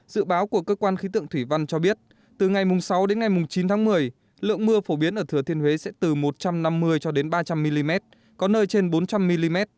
dự báo của cơ quan khí tượng thủy văn cho biết từ ngày sáu đến ngày chín tháng một mươi lượng mưa phổ biến ở thừa thiên huế sẽ từ một trăm năm mươi cho đến ba trăm linh mm có nơi trên bốn trăm linh mm